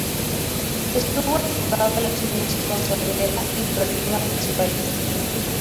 Estuvo enfocado a los niños con sordera y problemas visuales.